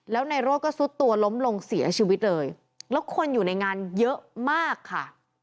แล้วนายโรธก็ซุดตัวล้มลงเสียชีวิตเลยแล้วคนอยู่ในงานเยอะมากค่ะ